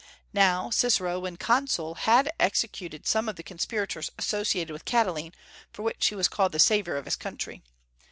Now Cicero, when consul, had executed some of the conspirators associated with Catiline, for which he was called the savior of his country.